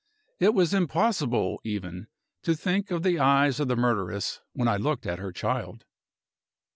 It was impossible even to think of the eyes of the murderess when I looked at her child.